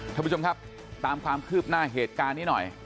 ท่านผู้ชมครับตามความคืบหน้าเหตุการณ์นี้หน่อย